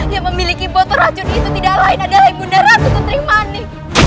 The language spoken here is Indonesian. yang memiliki botol racun itu tidak lain adalah ibu naya ketering mani